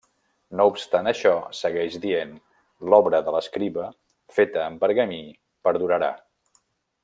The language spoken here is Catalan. No obstant això, segueix dient, l'obra de l'escriba, feta en pergamí, perdurarà.